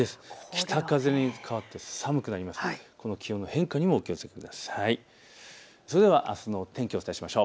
北風に変わって寒くなります。